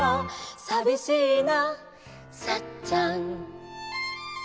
「さびしいなサッちゃん」